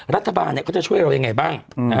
รัฐบาลเขาจะช่วยเรายังไงบ้าง